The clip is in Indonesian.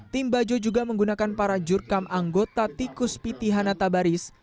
tim bajo juga menggunakan para jurkam anggota tikus piti hana tabaris